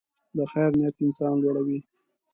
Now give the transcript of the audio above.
د خیر نیت انسان لوړوي.